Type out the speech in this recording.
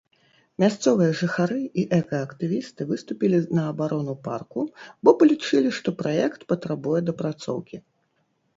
Мясцовыя жыхары і экаактывісты выступілі на абарону парку, бо палічылі, што праект патрабуе дапрацоўкі.